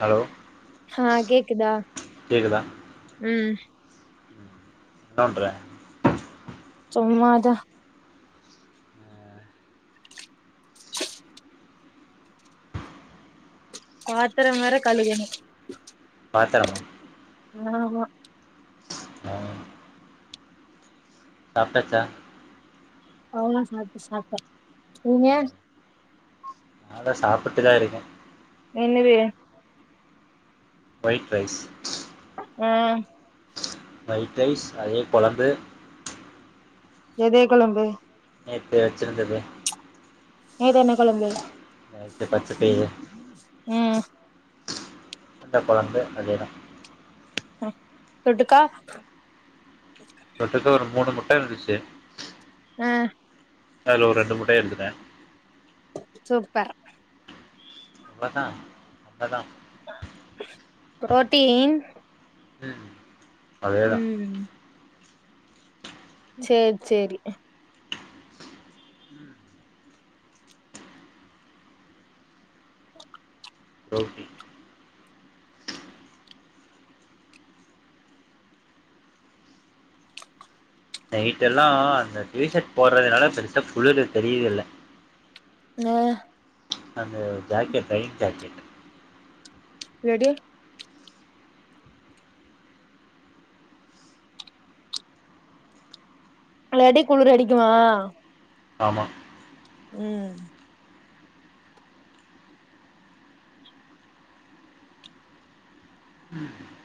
Hello ஹ கேக்குதா கேக்குதா ம் நோண்ட்றே சும்மாதா [inaudible] பாத்திரம் வேற கழுகணும் பாத்தரமா ஆமா ஆ சாப்ட்டாச்சா அவுனா சாப்ட்டு சாப்ட்ட நீங்க நால்லா சாப்பிட்டுதா இருக்கே என்னதூ ஒய்ட் ரைஸ் ம் ஒயிட் ரைஸ் அதே கொளம்பு எதே கொளம்பு நேத்து வச்சுருந்தது நேத்து என்ன கொளம்பு [unintelligible] ம் வத்த கொளம்பு அதே தா ம் தொட்டுக்கா தொட்டுக்க ஒரு மூணு முட்ட இருந்துச்சு ஹெ அல ஒரு ரெண்டு மூட்டையா எடுத்துட்டே சூப்பர் ப்பதா ப்பதா ம் ப்ரோட்டீன் ம் அதேதா ம் சேரி செரி ஓகே நைட் எல்லாம் அந்த டிஷர்ட் போடுறதுனால பெருசா புளிர் தெரியல [unintelligible] அந்த ஜாக்கெட் டைட்டா [unintelligible] ரெடி லடி குளிரு அடிக்குமா ஆமா ம் ம்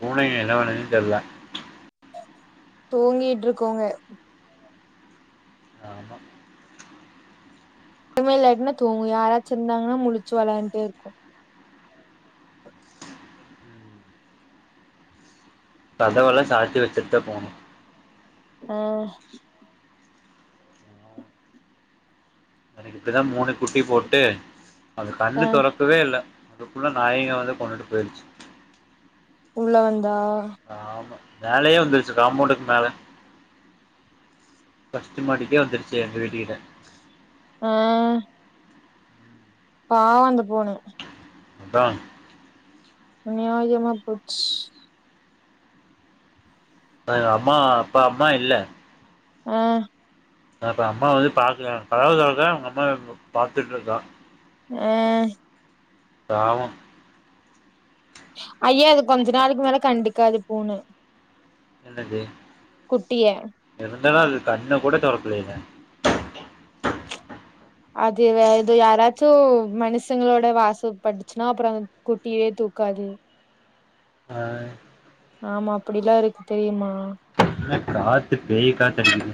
பூன என்ன வெலன்னு தெர்ல தூங்கிட்டுருக்கோங்க ஆமா ஒண்ணுமே இல்லட்னா தூங்கும் யாராச்ச இருந்தாங்கன்னா முழுச்சு வளான்ட்டு இருக்கு ம் கதவெல்லா சாத்தி வச்சுட்டு தா போணு ஆ அது இப்ப தா மூணு குட்டி போட்டு அந்த ஆ கண்ணு தொரக் கவே இல்ல அதுக்குள்ள நாயிங்க வந்து கொண்டுட்டு போயிருச்சு உள்ள வந்தா ஆமா மேலயே வந்துருச்சு காம்போண்டுக்கு மேல ஃபர்ஸ்ட் மாடிக்கே வந்துடுச்சு எங்க வீட்டுகிட்ட ஆ பாவ அந்த பூன அதா அநியாயமா போச் அ அம்மா அப்ப அம்மா இல்ல ஆ அப்ப அம்மா வந்து பாக்கல [unintelligible] அவங்க அம்மா அப் பாத்துட்டுருக்கா ஆ பாவம் ஐய அது கொஞ்ச நாளைக்கு மேல கண்டுக்காது பூன என்னது குட்டிய என்ன இந்தாலும் அது கண்ண கூட தொறக்கல இல்ல அதுவே இது யாரா து மனுஷங்களோட வாசப்பட்டுச்சுன்னா அப்பறம் அந்த குட்டியே தூக்காது ஆ ஆமா அப்டில்லா இருக்கு தெரியுமா என்ன காத்து பேய் காத்து அடிக்குது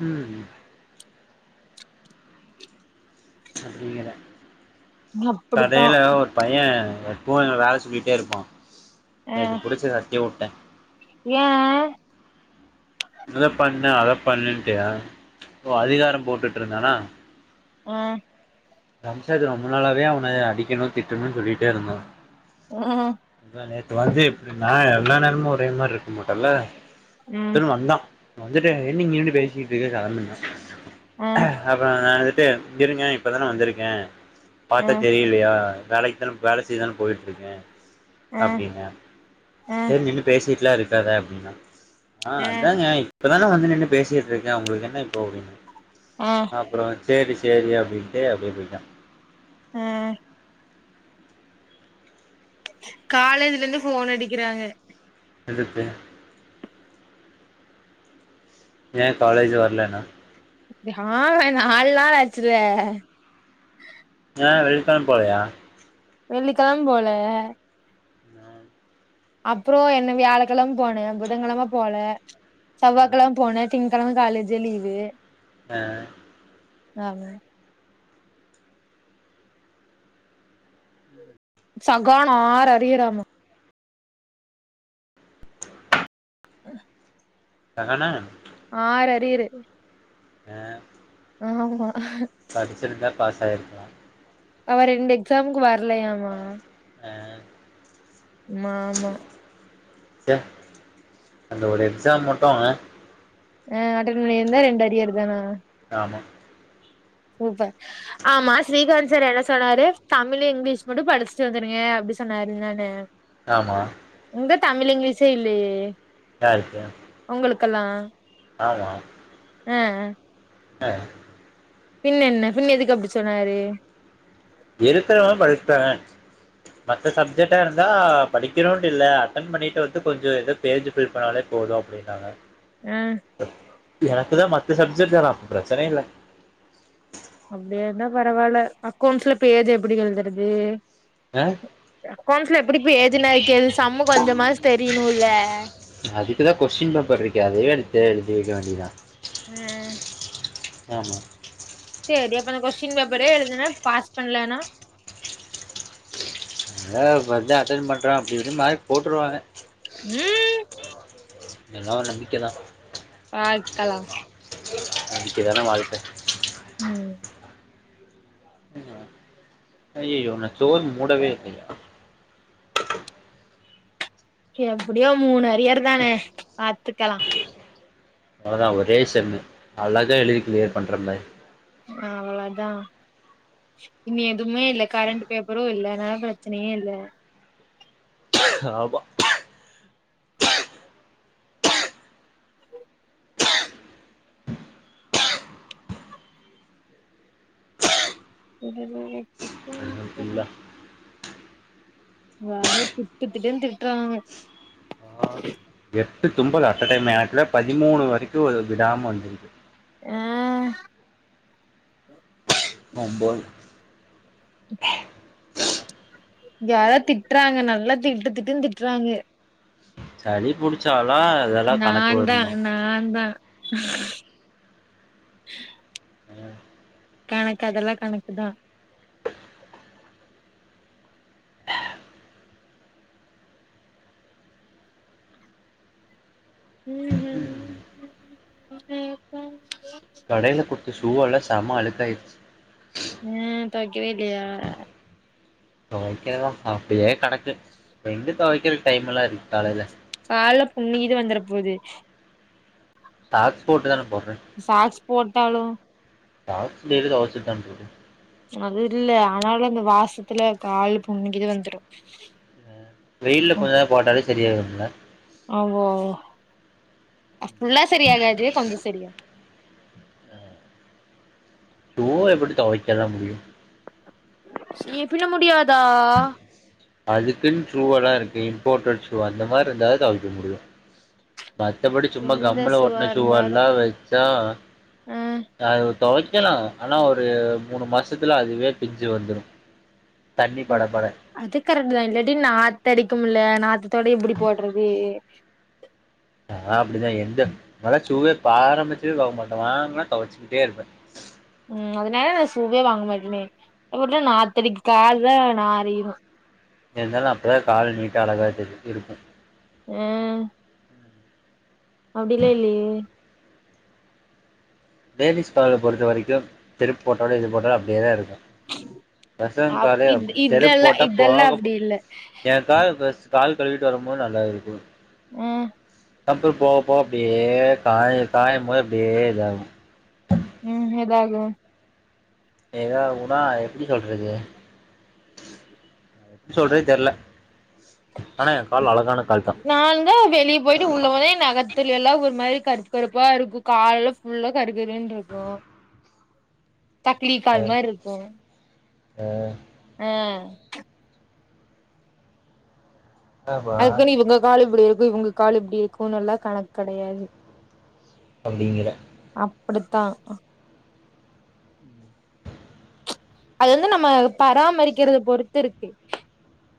ம் அப்படித்தா கடைல ஒர் பையன் எப்பவு எங்கள வேல சொல்லிட்டே இருப்பான் நேத்து புடிச்சு கத்தி வுட்டே ஏன் இத பண்ணு அத பண்ணுன்ட்டு ஓ அதிகாரம் போட்டுட்ருந்தானா ஆ ரம்சது ரொம்ப நாளாவே அவன அடிக்கணு திட்டணுன் சொல்லிட்டேருந்தோ ம் இப்ப நேத்து வந்து எப்டினா எல்லா நேரமு ஒரே மாறிருக்க மாட்டேல்ல ம் எத்துனு வந்தான் வந்துட்டு என்ன இங்க நின்னு பேசிட்ருக்க கெளம்புன்னா ஆ அப்றம் நா வந்துட்டு இருங்க இப்பதான வந்துருக்கே ஆ பாத்தா தெரி லியா வேலைக்குதான வேல செய்தான போய்ட்ருக்கே ஆ அப்டின்ன ஆ சரி நின்னு பேசிட்ல்லா இருக்காத அப்டினா ஆ அதாங்க இப்பதான வந்து நின்னு பேசிட்ருக்க உங்ளுக்கு என்ன இப்போ அப்டினு ஆ அப்பறம் சேரி சேரி அப்டின்ட்டு அப்டியே போய்ட்டா ம் காலேஜ்லந்து ஃபோனடிக்கிறாங்க எதுக்கு ஏ காலேஜு வர்லனா ஹா நால் நாள ஆச்சுல அ வெள்க்கழம் போலையா வெள்ளி கெழம் போல அ அப்றோ என்ன வியாழக்கெழம் போன புதன்கெழம போல செவ்வாக்கெழம் போன திங்கெழம காலேஜே லீவு அ ஆமா சகானா ஆறு அறியறாமா சகான ஆறு அறியறு ஆ ஆமா படிச்சிருந்தா பாஸ் ஆயிருக்குலா அவ ரெண்டு எக்ஸாம்க்கு வரலையாமா ஆ ம் ஆமா செ அந்த ஒரு எக்ஸாம் மட்டு அவ ஆ அட்டன் பண்ணி இருந்தா ரெண்டு அரியர் தான ஆமா சூப்ப ஆமா ஸ்ரீகாந்த் சார் என்ன சொன்னாரு தமிழு இங்லீஷ் மட்டு படிச்ட்டு வந்துருங்க அப்டி சொன்னாரு நான ஆமா உங்க தமிழ் இங்லீஷே இல்லையே யாருக்கு உங்களுக்கல்லா ஆமா ஆ அ அ பின்ன என்ன பின்ன எதுக்கு அப்டிச்சொன்னாரு இருக்குறவ படிச்டுவாங்க மத்த சப்ஜெக்டா இருந்தா படிக்கிறோன்டு இல்ல அட்டன் பண்ணிட்டு வந்து கொஞ்சோ எதொ பேஜ் ஃபில் பண்ணாலே போது அப்டின்னாங்க ஆ எனக்குதா மத்த சப்ஜெக்ட்ல தா பிரச்சனயே இல்ல அப்டி இருந்தா பரவால்ல அக்கௌண்ட்ஸ்ல பேஜ் எப்டி எழுதுறது ஆ அக்கவுன்ச்ல எப்டி பேஜ் நெரைக்கற்து சம்மு கொஞ்ச மாசு தெரிணுல்ல அதுக்குதா கொஸ்டின் பேப்பர் இருக்கு அதுவே எடுத்து எழுதி வைக்க வேண்டியதா ஆ ஆஹா சேரி அப்ப நா கொஸ்டின் பேப்பரே எழுதுனா பாஸ் பண்லனா [unintelligible] அட்டன் பண்றே அப்டி இப்டி மார்க் போட்ருவாங்க ம் எல்லா ஒரு நம்பிக்க தா பாக்கலா நம்பிக்க தான வாழ்க்க ம் அய்யயோ நா ஸ்டோர் மூடவே இல்லையா எப்டியோ மூணு அரியர் தான பாத்துக்கலா அவ்ளதா ஒரே செம்மு அழகா எழுதி கிளியர் பண்ற மேரி அவ்ள தா இனி எதுமே இல்ல கரண்டு பேப்பரு இல்ல அனால பிரச்சனயே இல்ல ஆமா அல்ஹம்துலில்லாஹ். [inaudible] எங்கவா திட்டு திட்டுன் திட்றாங்க ஆ எட்டு தும்பலு அட்ட டைமு எனக்குலா பதிமூணு வரைக்கு வ விடாம வந்துருக்கு ஆ ஒம்போது இங்க யாரோ திட்றாங்க நல்லா திட்டு திட்டுன் திட்றாங்க சளி புடிச்சாலா நா தா நா தா கணக்கு அதல்லா கணக்கு தா ம் ஹூ கடைல குத்த ஷூ வல்லா செம அழுக்காய்ரிச்சு ம் தொவைக்கவே இல்லயா தொவைக்கல தா அப்டியே கடக்கு இப்ப எங்க தொவைக்கற டைமெல்லா இருக்கு காலைல கால்ல புண்ணு இது வந்துற போது சாக்ஸ் போட்டு தான போவே சாக்ஸ் போட்டாலு சாக்ஸ் டெய்லி தொவச்சி தா போடுவே அது இல்ல ஆனாலு அந்த வாசத்துல கால் புண்ணு கிண்ணு வந்துரு வெயில்ல கொஞ்ச நேரோ போட்டாலே சரியாகும்ல ஆவு ஆவு ஃபுல்லா சரியாகாது கொஞ்சோ சரியாகு ஷூவ எப்டி தொவைக்கலா முடியு [unintelligible] பின்ன முடியாதா அதுக்குன்னு ஷூவலா இருக்கு இம்போர்ட்டட் ஷூ அந்த மாரி இருந்தா தா தொவைக்க முடியு மத்தபடி சும்மா எந்த கம்முல ஷூவா ஒட்ன இருந்தாலு ஷூவல்லா வச்சா ஆ அது தொவைக்கலா ஆனா ஒரு மூணு மாசத்துல அதுவே பிஞ்சு வந்துரு தண்ணி பட அது பட அது கரெக்ட்டு தா இல்லாட்டி நாத்த அடிக்கிமுல்ல நாத்தத்தோட எப்டி போட்றது அதலா அப்டிதா எந்த நாலா ஷூவே பாரம்பச்சமே பாக்க மாட்ட வாங்னா தொவச்சுக்கிட்டே இருப்பே ம் அதுனால நா ஷூவே வாங்க மாட்டனே அ உள்ள நாத்தடிக்கு கால் தா நாரிரூ இருந்தாலு அப்ப தா கால் நீட்டா அழகா [unintelligible] இருக்கு ம் அப்டிலா இல்லையே லேடிஸ் கால பொறுத்த வரைக்கு செருப்பு போட்டாலு எது போட்டலு அப்டியே தா இருக்கு பசங்க அ காலே அப் இத் செருப்பு இதெல்லா போட்டா இதெல்லா போகப் அப்டி இல்ல ஏ கால் பஸ் கால் கழுவிட்டு வரும்போது நல்லா இருக்கு ம் தப்பு போ போ அப்யே காய காயம் போது அப்டியே இதாகு ம் எதாகு ஏதாகுனா எப்டி சொல்றது சொல்றதே தெரியல ஆனா எ கால் அழகான கால் தா நா தா வெளியே போயிட்டு உள்ள வந்தே என் நகத்துல எல்லா ஒரு மாரி கருப்பு கருப்பா இருக்கு கால உள்ள கருக்கருனு இருக்கு தக்லி கால் மாரி இருக்கு ஆ ஆ என்னப்பா அதுக்குன்னு இவங்க கால் இப்டி இருக்கு இவங்க கால் இப்டி இருக்குன்னு எல்லா கணக்கு கெடையாது அப்டிங்கிற அப்டித்தா அது வந்து நம்ம பராமரிக்கறத பொறுத்து இருக்கு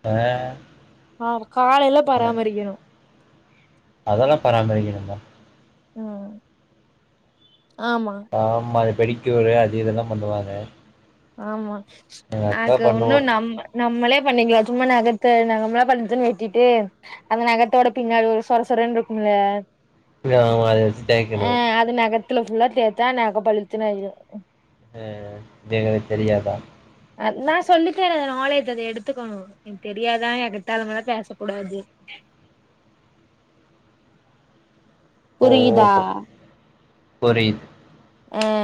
ஆ ஆ காலையெல்ல பராமரிக்கணு அதெல்லா பராமரிக்கணுமா ம் ஆமா ஆமாம் அந்த பெடிக்குயூரு அது இதெல்லா பண்ணுவாங்க ஆமா எங்க அக்கா நாக்கு உன்னு பண்ணுவா நம்ம நம்மளே பண்ணிக்கலா சும்மா நகத்த நகம்லா பள்ச்ன்னு வெட்டிட்டு அந்த நகத்தோட பின்னால ஒரு சொரசரன்னு இருக்கும்ல்ல வி ஆமா அத வெச்சு தேக்கணு அது நகத் த்துல ஃபுல்லா தேச்சா நக பளிச்ன்னு ஆயிரு அ இது எங்களுக்கு தெரியாதா அ நா சொல்லித்தர நாலேஜ் அத எடுத்துக்கணு எனக்கு தெரியாதா எக்கதாளமெல்லா பேச கூடாது புரியுதா ஓஹோ புரியுது ம்